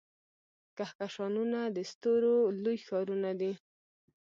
کهکشانونه د ستورو لوی ښارونه دي.